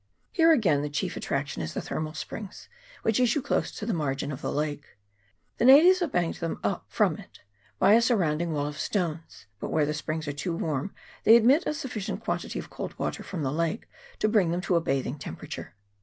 Here, again, the chief attraction is the thermal springs which issue close to the margin of the lake. The natives have banked them up from it by a sur rounding wall of stones, but where the springs are 394 NATIVES OF ROTU RUA. [PART II. too warm they admit a sufficient quantity of cold water from the lake to bring them to a bathing temperature.